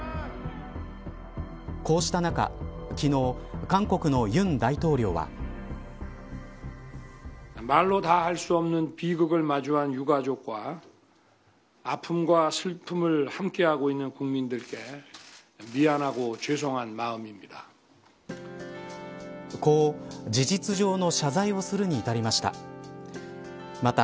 こうした中、昨日韓国の尹大統領は。こう、事実上の謝罪をするに至りました。